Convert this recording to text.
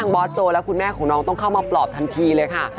บอสโจและคุณแม่ของน้องต้องเข้ามาปลอบทันทีเลยค่ะ